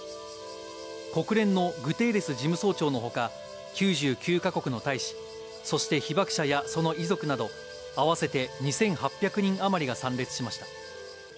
国連のグテーレス事務総長のほか、９９か国の大使、そして被爆者やその遺族など、合わせて２８００人余りが参列しました。